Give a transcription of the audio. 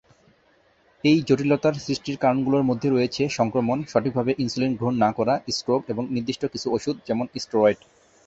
এই জটিলতার সৃষ্টির কারণগুলোর মধ্যে রয়েছে সংক্রমণ, সঠিকভাবে ইনসুলিন গ্রহণ না করা, স্ট্রোক, এবং নির্দিষ্ট কিছু ওষুধ, যেমন স্টেরয়েড।